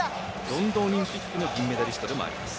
ロンドンオリンピックの銀メダリストでもあります。